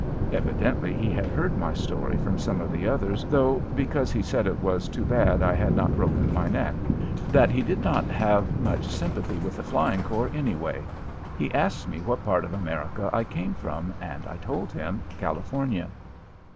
Evidently he had heard my story from some of the others, though, because he said it was too bad I had not broken my neck; that he did not have much sympathy with the Flying Corps, anyway. He asked me what part of America I came from, and I told him "California."